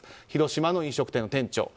広島の飲食店の店長。